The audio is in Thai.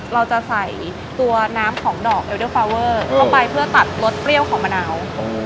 เราจะใส่ตัวน้ำของดอกเอลเดอร์ฟาเวอร์เข้าไปเพื่อตัดรสเปรี้ยวของมะนาว